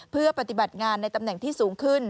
เพื่อปฏิบัติงานในตำแหน่งที่สูงขึ้น